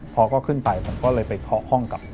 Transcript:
พอก็ขึ้นไปผมก็เลยไปเคาะห้องกับ